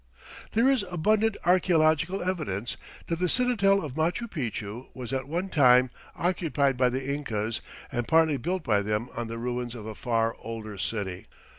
There is abundant archeological evidence that the citadel of Machu Picchu was at one time occupied by the Incas and partly built by them on the ruins of a far older city.